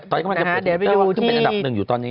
ตอนนี้ก็มันเป็นอันดับหนึ่งอยู่ตอนนี้